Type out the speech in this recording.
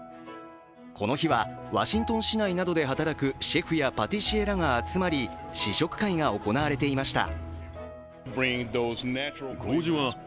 この日は、ワシントン市内などで働くシェフやパティシエらが集まり、試食会が行われていました。